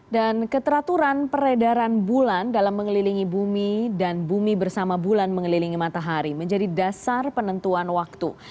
dan keteraturan peredaran bulan dalam mengelilingi bumi dan bumi bersama bulan mengelilingi matahari menjadi dasar penentuan waktu